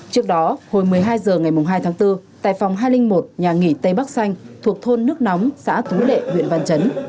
trước đó hồi một mươi hai h ngày hai tháng bốn tại phòng hai trăm linh một nhà nghỉ tây bắc xanh thuộc thôn nước nóng xã thú lệ huyện văn chấn